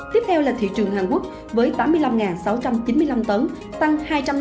tiếp theo là thị trường hàn quốc với tám mươi năm sáu trăm chín mươi năm tấn tăng hai trăm năm mươi